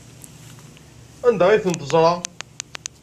Anda ay ten-teẓra?